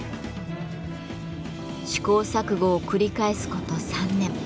試行錯誤を繰り返すこと３年。